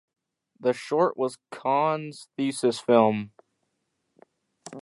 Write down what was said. The short was Cohn's thesis film.